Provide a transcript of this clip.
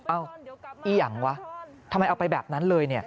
อียังวะทำไมเอาไปแบบนั้นเลย